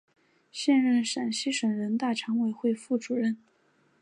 现任陕西省人大常委会副主任。